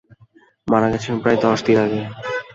মারা গেছে মাত্র দশদিন আগে।